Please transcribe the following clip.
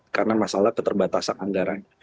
karena masalah keterbatasan anggaran